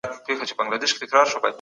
په شتمني کي د نورو حق پېژندل اړین دی.